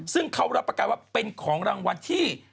ซึ่งเขารับประกันว่าเป็นของรางวัลที่